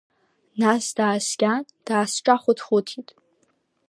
Нас дааскьан, даасҿахәыҭ-хәыҭит.